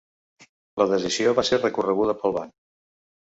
La decisió va ser recorreguda pel banc.